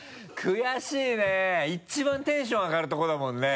悔しいね一番テンション上がるとこだもんね。